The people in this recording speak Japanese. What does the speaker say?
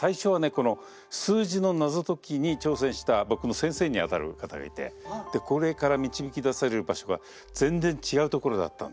この数字の謎解きに挑戦した僕の先生にあたる方がいてこれから導き出せる場所が全然違う所だったんですよ。